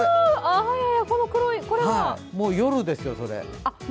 もう夜ですよ、それ。